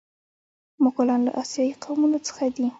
مغولان له اسیایي قومونو څخه دي.